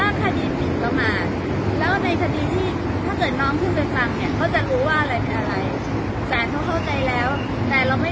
ด้วยคดีดีทำไม